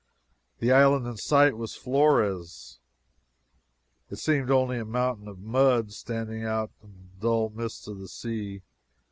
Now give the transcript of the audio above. The island in sight was Flores. It seemed only a mountain of mud standing up out of the dull mists of the sea.